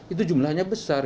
itu jumlahnya besar